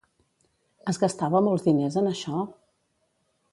Es gastava molts diners en això?